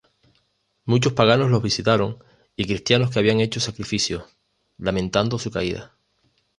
Muchos paganos los visitaron y cristianos que habían hecho sacrificios, lamentando su caída.